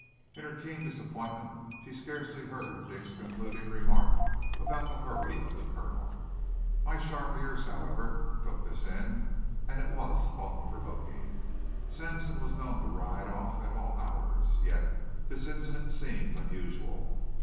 In her keen disappointment she scarcely heard Dick's concluding remark about the hurry of the colonel. My sharp ears, however, took this in and it was thought provoking. Sampson was known to ride off at all hours, yet this incident seemed unusual.